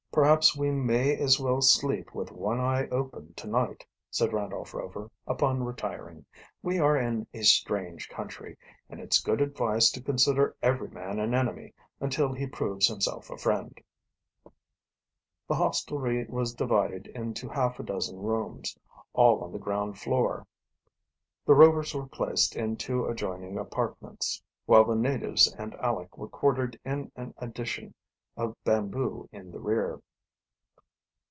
"Perhaps we may as well sleep with one eye open tonight," said Randolph Rover, upon retiring. "We are in a strange country, and it's good advice to consider every man an enemy until he proves himself a friend." The hostelry was divided into half a dozen rooms, all on the ground floor. The Rovers were placed in two adjoining apartments, while the natives and Aleck were quartered in an addition of bamboo in the rear.